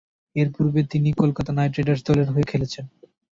এর পূর্বে তিনি কলকাতা নাইট রাইডার্স দলের হয়ে খেলেছেন।